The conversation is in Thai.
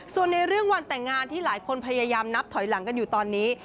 ส่วนในเรื่องวันแต่งงานที่หลายคนพยายามนับถอยหลังกันอยู่ตอนนี้